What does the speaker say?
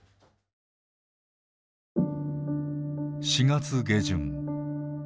４月下旬